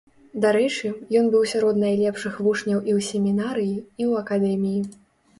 Дарэчы, ён быў сярод найлепшых вучняў і ў семінарыі, і ў акадэміі.